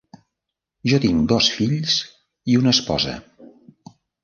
Jo tinc dos fills i una esposa.